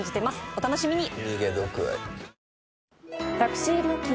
お楽しみに！